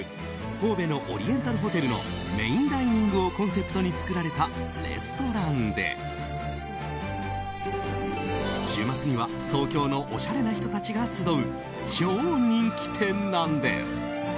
神戸のオリエンタルホテルのメインダイニングをコンセプトに作られたレストランで週末には東京のおしゃれな人たちが集う超人気店なんです。